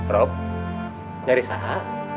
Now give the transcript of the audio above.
rob dari sana